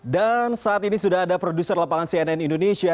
dan saat ini sudah ada produser lapangan cnn indonesia